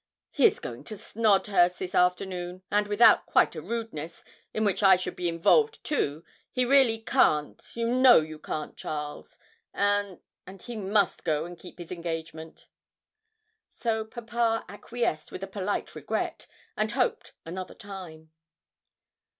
He is going to Snodhurst this afternoon, and without quite a rudeness, in which I should be involved too, he really can't you know you can't, Charles! and and he must go and keep his engagement.' So papa acquiesced with a polite regret, and hoped another time.